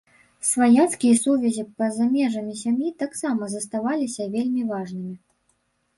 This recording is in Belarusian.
Сваяцкія сувязі па-за межамі сям'і таксама заставаліся вельмі важнымі.